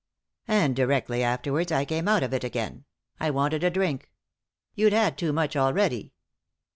"And directly afterwards I came out of it again. I wanted a drink." " You'd had too much already."